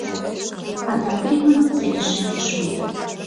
Адак революций лишемеш мо?